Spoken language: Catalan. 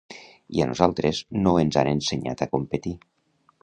I a nosaltres no ens han ensenyat a competir.